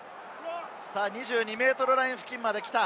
２２ｍライン付近まで来た、